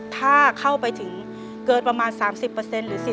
เปลี่ยนเพลงเพลงเก่งของคุณและข้ามผิดได้๑คำ